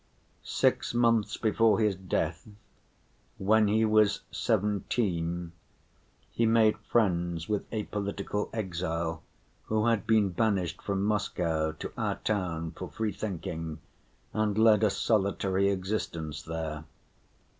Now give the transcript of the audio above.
Six months before his death, when he was seventeen, he made friends with a political exile who had been banished from Moscow to our town for freethinking, and led a solitary existence there.